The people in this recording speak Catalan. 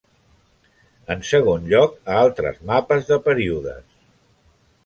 En segon lloc, a altres mapes de períodes.